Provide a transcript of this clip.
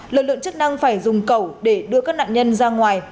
lực lượng chức năng phải dùng cầu để đưa các nạn nhân ra ngoài